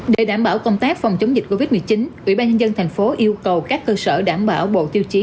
để đảm bảo công tác phòng chống dịch covid một mươi chín ubnd tp hcm yêu cầu các cơ sở đảm bảo bộ tiêu chí